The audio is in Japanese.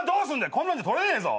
こんなんで取れねえぞ。